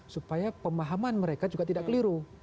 supaya pemahaman mereka juga tidak keliru